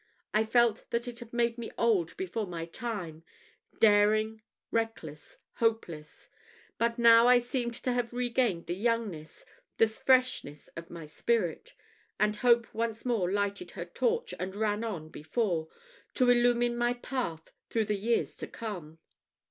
I felt that it had made me old before my time daring, reckless, hopeless. But now I seemed to have regained the youngness, the freshness of my spirit; and Hope once more lighted her torch, and ran on before, to illumine my path through the years to come.